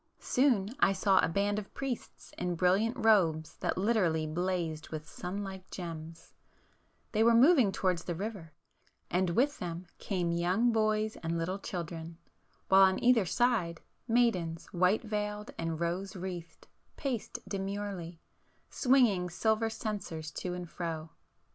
Soon I saw a band of priests in [p 448] brilliant robes that literally blazed with sun like gems,—they were moving towards the river, and with them came young boys and little children, while on either side, maidens white veiled and rose wreathed, paced demurely, swinging silver censers to and fro.